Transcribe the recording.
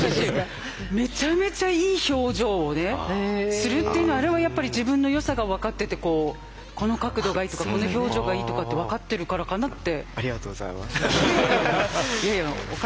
めちゃめちゃいい表情をねするっていうのはあれはやっぱり自分のよさが分かっててこうこの角度がいいとかこの表情がいいとかって分かってるからかなって。